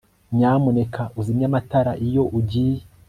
Nyamuneka uzimye amatara iyo ugiye